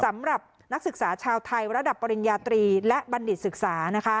สำหรับนักศึกษาชาวไทยระดับปริญญาตรีและบัณฑิตศึกษา